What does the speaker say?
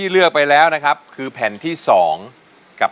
เรามาดูกันนะครับ